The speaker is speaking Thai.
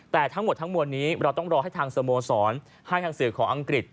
แต่ทั้งหมดทั้งมวลนี้เราต้องรอให้ทางสโมสรให้ทางสื่อของอังกฤษ